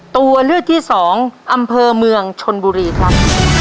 ตัวเลือกที่สองอำเภอเมืองชนบุรีครับ